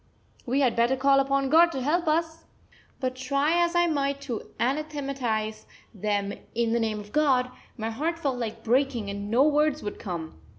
We had better call upon God to help us!" But try as I might to anathematise them in the name of God, my heart felt like breaking and no words would come.